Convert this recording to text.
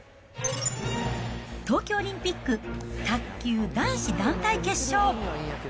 東京オリンピック、卓球男子団体決勝。